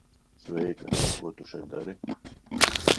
Sveika. Ko tu šeit dari?